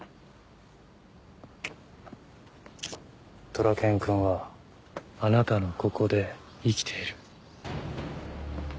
ドラケン君はあなたのここで生きている。